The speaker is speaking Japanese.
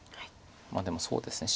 まあでもそうですね。